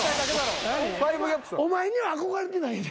お前には憧れてないねん。